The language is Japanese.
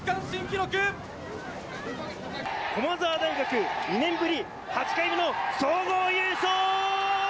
駒澤大学、２年ぶり８回目の総合優勝。